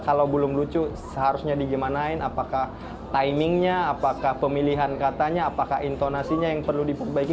kalau belum lucu seharusnya digemanain apakah timingnya apakah pemilihan katanya apakah intonasinya yang perlu diperbaiki